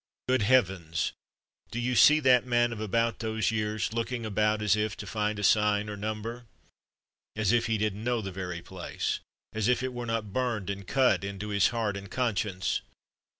Good heavens! Do you see that man of about those years, looking about as if to find a sign or number? (As if he didn't know the very place; as if it were not burned and cut into his heart and conscience!)